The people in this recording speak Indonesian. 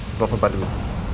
telepon pak dwi